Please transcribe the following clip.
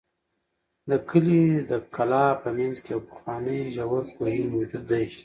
د کلي د کلا په منځ کې یو پخوانی ژور کوهی موجود دی.